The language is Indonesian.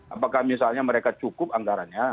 apakah misalnya mereka cukup anggarannya